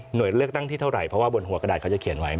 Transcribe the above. โดยเลือกตั้งที่เท่าไหร่เพราะว่าบนหัวกระดาษเขาจะเขียนไว้